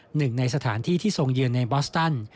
หนึ่งในสถานที่ที่ทรงเยือนในบอสตัน